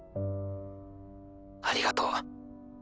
ありがとう。